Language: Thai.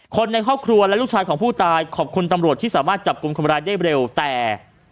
คนในครอบครัวและลูกชายของผู้ตายขอบคุณตำรวจที่สามารถจับกลุ่มคนร้ายได้เร็วแต่